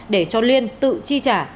để cho liên tự chi trả